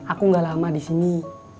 aku gak lama disini